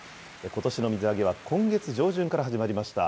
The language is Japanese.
ことしの水揚げは今月上旬から始まりました。